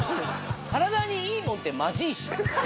体にいいもんってまずいし。